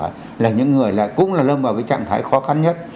cũng là lâm vào trạng thái khó khăn nhất